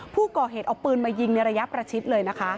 ผู้ก่อเหตุเอาปืนมายิงในระยะประชิดเลยนะคะ